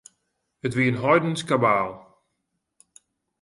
It wie in heidensk kabaal.